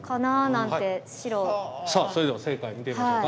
さあそれでは正解見てみましょうか。